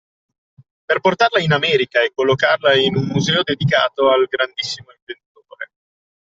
Per portarla in America e collocarla in un museo dedicato al grandissimo inventore… .